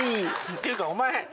っていうかお前。